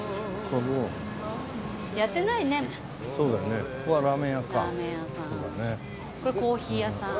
これコーヒー屋さん。